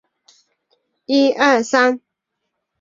红花肉叶荠为十字花科肉叶荠属下的一个种。